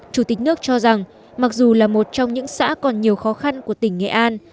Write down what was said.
chủ tịch nước cho rằng mặc dù là một trong những xã còn nhiều khó khăn của tỉnh nghệ an